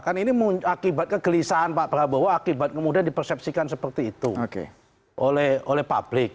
kan ini akibat kegelisahan pak prabowo akibat kemudian dipersepsikan seperti itu oleh publik